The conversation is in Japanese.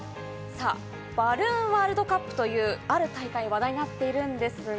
バルーンワールドカップという、ある大会が話題になっているんですが。